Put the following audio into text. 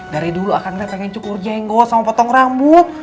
dari dulu akang pengen cukur jenggot sama potong rambut